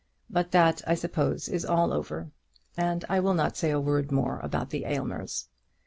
But that, I suppose, is all over, and I will not say a word more about the Aylmers.